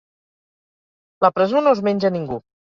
La presó no es menja ningú.